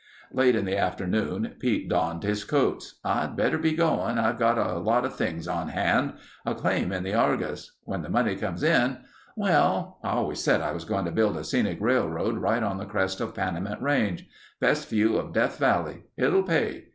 Late in the afternoon Pete donned his coats. "I'd better be going. I've got a lotta things on hand. A claim in the Argus. When the money comes in, well—I always said I was going to build a scenic railroad right on the crest of Panamint Range. Best view of Death Valley. It'll pay.